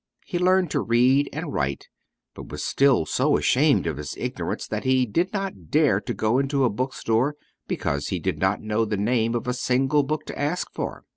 He learned to read and write, but was still so ashamed of his ignorance that he did not dare to go into a bookstore because he did not know the name of a single book to ask for.